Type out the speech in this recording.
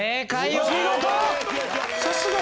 お見事！